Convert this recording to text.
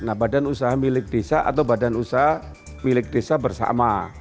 nah badan usaha milik desa atau badan usaha milik desa bersama